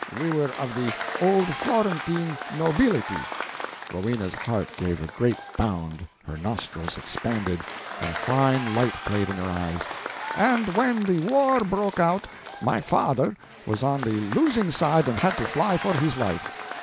We were of the old Florentine nobility" Rowena's heart gave a great bound, her nostrils expanded, and a fine light played in her eyes "and when the war broke out my father was on the losing side and had to fly for his life.